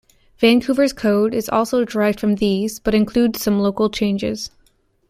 Vancouver's code is also derived from these but includes some local changes.